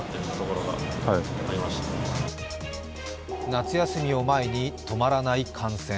夏休みを前に止まらない感染。